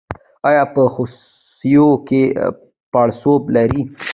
ایا په خصیو کې پړسوب لرئ؟